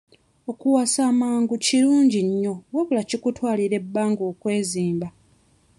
Okuwasa amangu kirungi nnyo wabula kikutwalira ebbanga okwezimba.